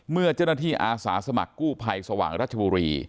เมื่อเจ้าหน้าที่อาสาสมัครกู้ภัยสว่างรัชบุรี